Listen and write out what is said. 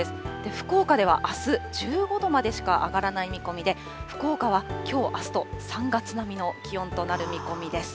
福岡では、あす１５度までしか上がらない見込みで、福岡はきょう、あすと３月並みの気温となる見込みです。